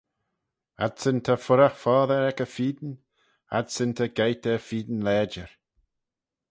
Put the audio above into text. Adsyn ta furriaght foddey ec y feeyn, adsyn ta geiyrt er feeyn lajer.